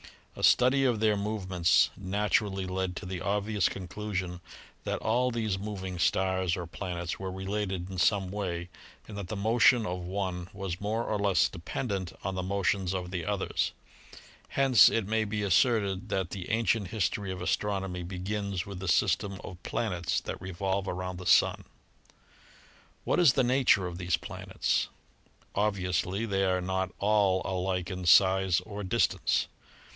A study of their movements naturally led to the obvious conclusion that all these mov ing stars or planets were related in some way and that the motion of one was more or less dependent on the motions of the others. Hence it may be asserted that the ancient history of astronomy begins with the system of planets that revolve around the Sun. What is the nature of these planets? Obviously they are not all alike in size or distance.